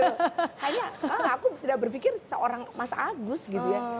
hanya aku tidak berpikir seorang mas agus gitu ya